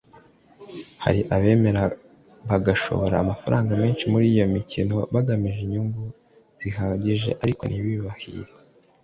Hari abemera bagashora amafaranga menshi muri iyi mikino bagamije inyungu zihagije ariko ntibibahire